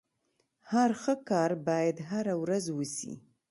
هر ښه کار بايد هره ورځ وسي.